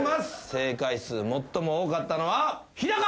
正解数最も多かったのはヒダカ！